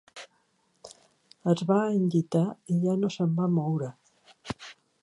Es va enllitar i ja no se'n va moure.